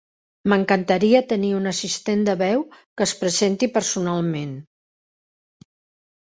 M'encantaria tenir un assistent de veu que es presenti personalment.